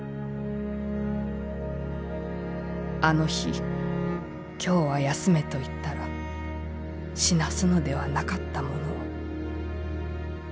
「あの日今日は休めと言ったら死なすのではなかったものを。